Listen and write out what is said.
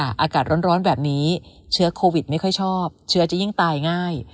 อากาศร้อนแบบนี้เชื้อโควิดไม่ค่อยชอบเชื้อจะยิ่งตายง่าย